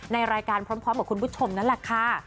ในรายการพร้อมกับคุณผู้ชมนั่นแหละค่ะ